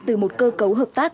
từ một cơ cấu hợp tác